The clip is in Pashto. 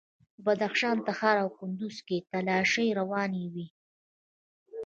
په بدخشان، تخار او کندوز کې تالاشۍ روانې وې.